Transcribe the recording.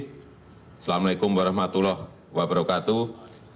wassalamu'alaikum warahmatullahi wabarakatuh